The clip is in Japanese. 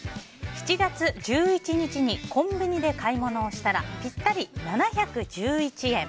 ７月１１日にコンビニで買い物をしたらぴったり７１１円。